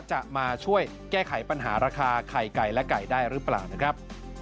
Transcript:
จะมาช่วยแก้ไขปัญหาราคาไข่ไก่และไก่ได้หรือเปล่านะครับ